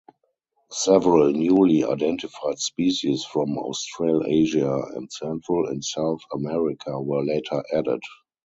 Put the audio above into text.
Several newly identified species from Australasia and Central and South America were later added.